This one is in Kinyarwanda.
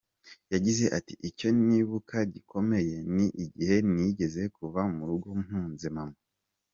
Yagize ati “Icyo nibuka gikomeye ni igihe nigeze kuva mu rugo mpunze mama.